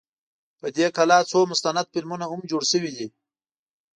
په دې کلا څو مستند فلمونه هم جوړ شوي.